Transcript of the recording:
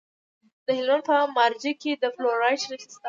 د هلمند په مارجه کې د فلورایټ نښې شته.